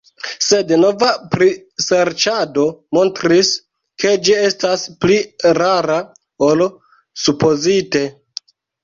Sed nova priserĉado montris, ke ĝi estas pli rara ol supozite.